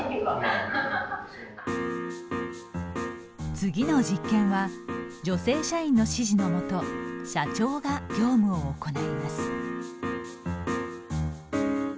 次の実験は女性社員の指示の下社長が業務を行います。